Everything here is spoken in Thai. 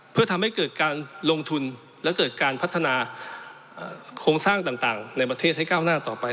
เพื่อทำให้เกิดการลงทุนและเกิดการพัฒนาโครงสร้างต่างในประเทศให้ก้าวหน้าต่อไป